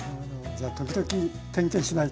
じゃあ時々点検しないと。